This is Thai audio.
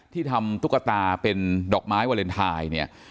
ที่ทำตุ๊กตาเป็นดอกไม้วาเล็นไทน์